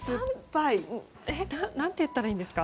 何て言ったらいいですか？